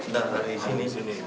dari sini sini